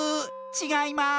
ちがいます！